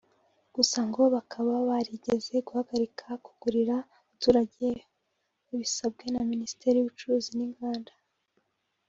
gusa ngo bakaba barigeze guhagarika kugurira abaturage babisabwe na Minisiteri y’Ubucuruzi n’Inganda